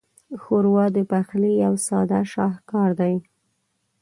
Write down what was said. ښوروا د پخلي یو ساده شاهکار دی.